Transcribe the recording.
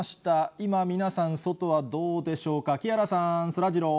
今皆さん、外はどうでしょうか。